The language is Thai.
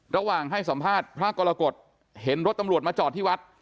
ระหว่างให้สัมภาษณ์พระกรกฎเห็นรถตำรวจมาจอดที่วัด